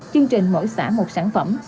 chương trình mỗi xã một sản phẩm